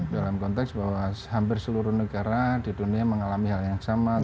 dalam konteks bahwa hampir seluruh negara di dunia mengalami hal yang sama